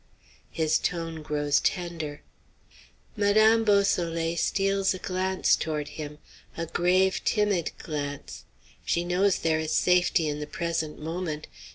His tone grows tender. Madame Beausoleil steals a glance toward him, a grave, timid glance. She knows there is safety in the present moment.